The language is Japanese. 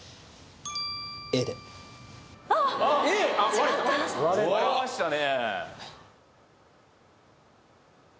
Ａであっ違った割れましたね